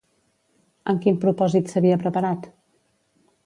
Amb quin propòsit s'havia preparat?